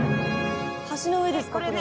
橋の上ですか？